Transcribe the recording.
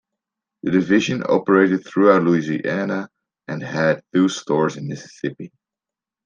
The division operated throughout Louisiana, and had two stores in Mississippi.